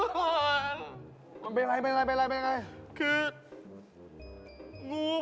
ฮะตายแล้ว